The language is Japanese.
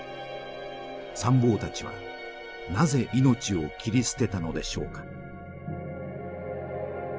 参謀たちはなぜ命を切り捨てたのでしょうか。